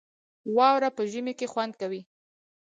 واوره په ژمي کې خوند کوي